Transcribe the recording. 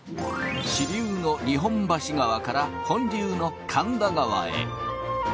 主流の日本橋川から本流の神田川へ。